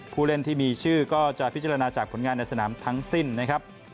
ผู้เล่นที่มีชื่อก็จะพิจารณาจากผลงานในสนามทั้งสิ้นนะครับ